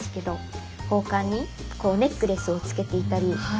宝冠にネックレスをつけていたり。